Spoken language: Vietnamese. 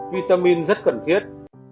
vitamin rất cần thiết